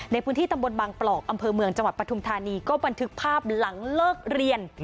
ในพื้นที่ตำบลบางปลอกอำเภอเมืองจังหวัดปฐุมธานีก็บันทึกภาพหลังเลิกเรียน